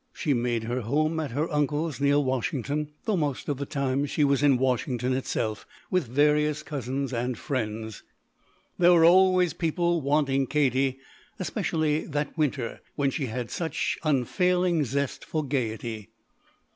She made her home at her uncle's, near Washington, though most of the time she was in Washington itself, with various cousins and friends; there were always people wanting Katie, especially that winter, when she had such unfailing zest for gayety.